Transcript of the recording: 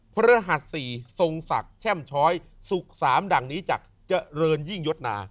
พระรหัส๔ทรงศักดิ์แช่มช้อยสุขสามดังนี้จากเจริญยิ่งยศนา